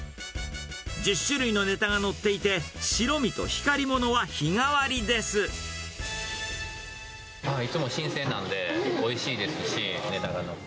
１０種類のネタが載っていて、いつも新鮮なんで、おいしいですし、ネタが。